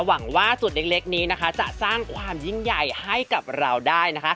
หวังว่าจุดเล็กนี้นะคะจะสร้างความยิ่งใหญ่ให้กับเราได้